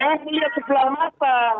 yang lihat sebelah mata